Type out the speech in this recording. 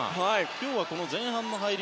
今日は前半の入り